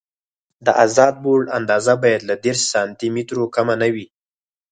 د ازاد بورډ اندازه باید له دېرش سانتي مترو کمه نه وي